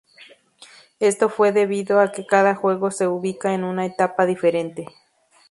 Esto fue debido a que cada juego se ubica en una etapa diferente.